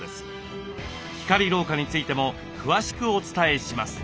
光老化についても詳しくお伝えします。